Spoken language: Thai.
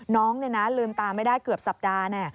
น้องลืมตาไม่ได้เกือบสัปดาห์